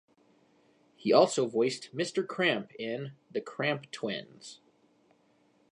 He also voiced Mr. Cramp in "The Cramp Twins".